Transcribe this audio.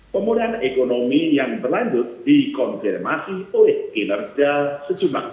pemulihan ekonomi yang berlanjut dikonfirmasi oleh kinerja sejumlah pihak